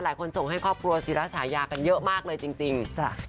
ส่งให้ครอบครัวศิราชายากันเยอะมากเลยจริง